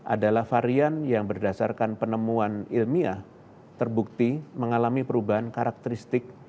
adalah varian yang berdasarkan penemuan ilmiah terbukti mengalami perubahan karakteristik